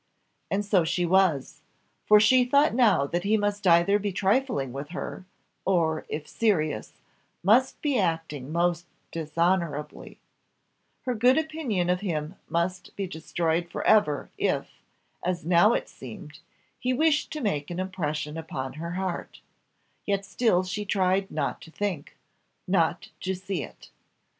And so she was; for she thought now that he must either be trifling with her, or, if serious, must be acting most dishonourably; her good opinion of him must be destroyed for ever, if, as now it seemed, he wished to make an impression upon her heart yet still she tried not to think, not to see it.